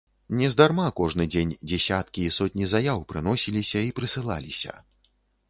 Нездарма кожны дзень дзесяткі і сотні заяў прыносіліся і прысылаліся.